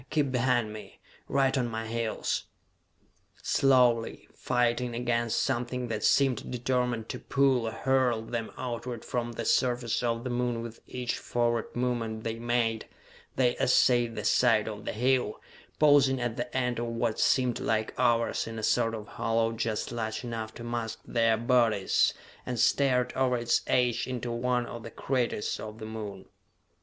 Keep behind me, right on my heels!" Slowly, fighting against something that seemed determined to pull, or hurl, them outward from the surface of the Moon with each forward movement they made, they essayed the side of the hill, pausing at the end of what seemed like hours in a sort of hollow just large enough to mask their bodies and stared over its edge into one of the craters of the Moon.